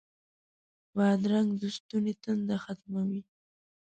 بادرنګ د ستوني تنده ختموي.